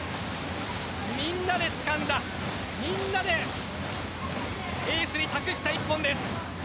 みんなでつかんだみんなでエースに託した１本です。